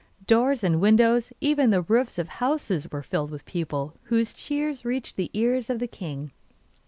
Door and windows, even the roofs of houses, were filled with people, whose cheers reached the ears of the king.